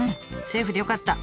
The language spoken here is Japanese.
セーフでよかった。